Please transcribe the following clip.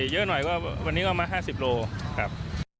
เยอะหน่อยก็วันนี้ก็มา๕๐โลครับ